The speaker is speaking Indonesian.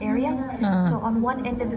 jadi ini bagus untuk dilihat